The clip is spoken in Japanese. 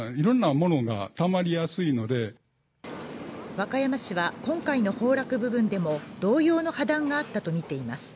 和歌山市は今回の崩落部分でも同様の破断があったと見ています。